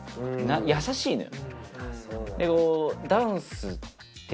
優しいのよ。